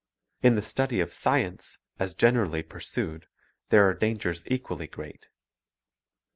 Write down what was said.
In the study of science, as generally pursued, there are dangers equally great.